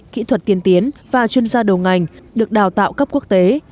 kỹ thuật tiên tiến và chuyên gia đầu ngành được đào tạo cấp quốc tế